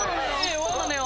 そうなのよ